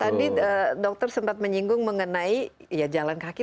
tadi dokter sempat menyinggung mengenai ya jalan kaki tapi cara jalan kaki